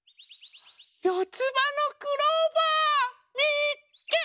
よつばのクローバー！みっけ！